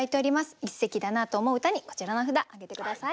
一席だなと思う歌にこちらの札挙げて下さい。